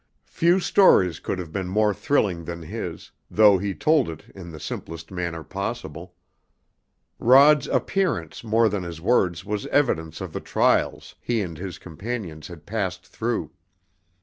Few stories could have been more thrilling than his, though he told it in the simplest manner possible. Rod's appearance more than his words was evidence of the trials he and his companions had passed through.